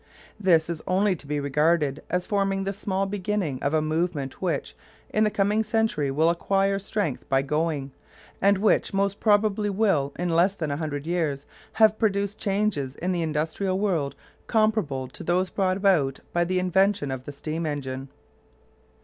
This is only to be regarded as forming the small beginning of a movement which, in the coming century, will "acquire strength by going," and which most probably will, in less than a hundred years, have produced changes in the industrial world comparable to those brought about by the invention of the steam engine.